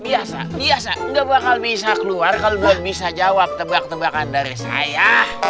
biasa biasa enggak bakal bisa keluar kalau belum bisa jawab tebak tebakan dari saya